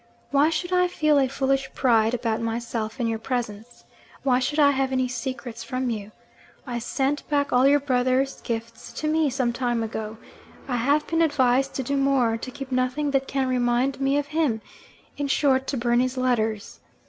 'Why should I feel a foolish pride about myself in your presence? why should I have any secrets from you? I sent back all your brother's gifts to me some time ago. I have been advised to do more, to keep nothing that can remind me of him in short, to burn his letters.